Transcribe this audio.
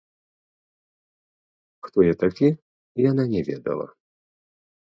Хто я такі, яна не ведала.